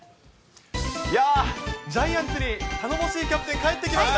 やあ、ジャイアンツに頼もしいキャプテンが帰ってきました。